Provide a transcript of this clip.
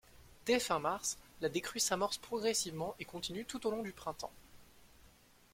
Dès fin mars, la décrue s'amorce progressivement et continue tout au long du printemps.